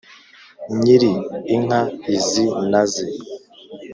nyiri inka izi naze